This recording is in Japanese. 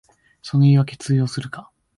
そんな言いわけ通用するか